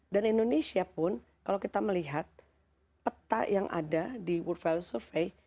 dan indonesia pun kalau kita melihat peta yang ada di world value survey